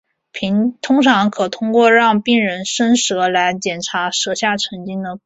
通常可通过让病人伸舌来检查舌下神经的功能。